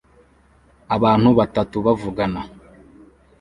Abantu batatu bavugana